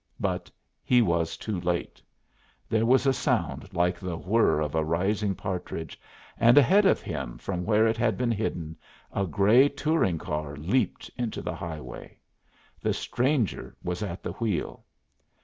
But he was too late. There was a sound like the whir of a rising partridge, and ahead of him from where it had been hidden, a gray touring car leaped into the highway. The stranger was at the wheel.